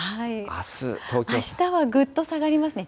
あしたはぐっと下がりますね。